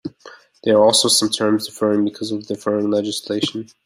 There are also some terms differing because of differing legislation.